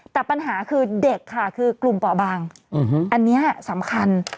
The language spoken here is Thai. แต่ปัญหาคือเด็กค่ะคือกลุ่มป่อบางอันนี้สำคัญ